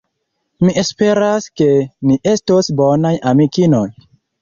Mi esperas, ke ni estos bonaj amikinoj.